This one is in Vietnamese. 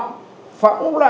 thì phải học